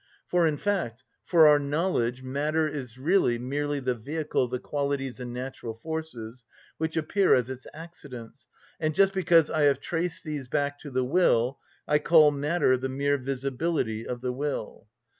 For in fact, for our knowledge, matter is really merely the vehicle of the qualities and natural forces, which appear as its accidents, and just because I have traced these back to the will I call matter the mere visibility of the will.